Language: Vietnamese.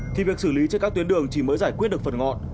thì việc xử lý trên các tuyến đường chỉ mới giải quyết được phần ngọn